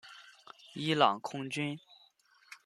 伊朗空军。